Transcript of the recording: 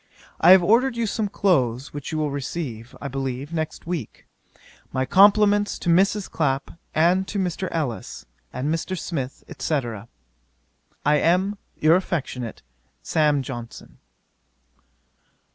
I have ordered you some clothes, which you will receive, I believe, next week. My compliments to Mrs. Clapp and to Mr. Ellis, and Mr. Smith, &c. 'I am 'Your affectionate, 'SAM. JOHNSON.'